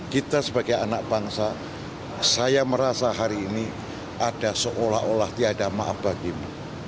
kita sebagai anak bangsa saya merasa hari ini ada seolah olah tiada maaf bagimu